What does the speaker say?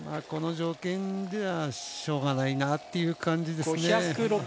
この条件ではしょうがないなという感じですね。